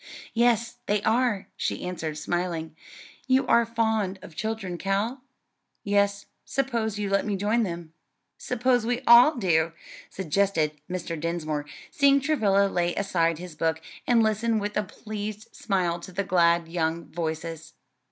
"Yes, they are," she answered, smiling. "You are fond of children, Cal?" "Yes; suppose you let me join them." "Suppose we all do," suggested Mr. Dinsmore, seeing Travilla lay aside his book, and listen with a pleased smile to the glad young voices.